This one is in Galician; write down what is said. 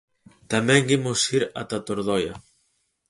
Tamén imos ir ata Tordoia.